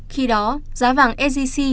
khi đó giá vàng sgc